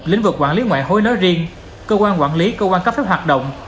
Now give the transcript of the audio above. lĩnh vực quản lý ngoại hối nói riêng cơ quan quản lý cơ quan cấp phép hoạt động